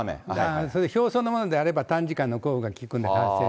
表層のものであれば、短時間の降雨が効くんです。